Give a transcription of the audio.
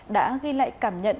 đã ghi lại cảm nhận